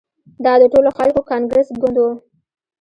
دا د ټولو خلکو کانګرس ګوند وو.